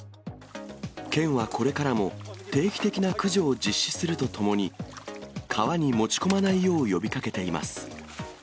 県はこれからも定期的な駆除を実施するとともに、川に持ち込まないよう呼びかけています。